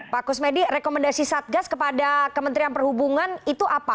pak kusmedi rekomendasi satgas kepada kementerian perhubungan itu apa